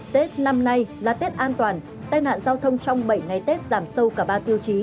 tết năm nay là tết an toàn tai nạn giao thông trong bảy ngày tết giảm sâu cả ba tiêu chí